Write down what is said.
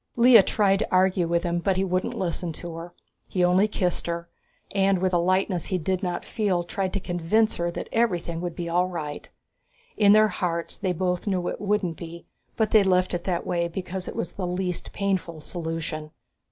Lea tried to argue with him, but he wouldn't listen to her. He only kissed her, and with a lightness he did not feel tried to convince her that everything would be all right. In their hearts they both knew it wouldn't be but they left it that way because it was the least painful solution.